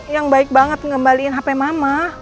yang baik banget ngembaliin hp mama